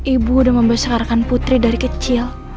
ibu udah membesegarkan putri dari kecil